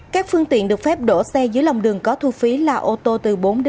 các phương tiện được phép đổ xe dưới lòng đường có thu phí là ô tô từ bốn một mươi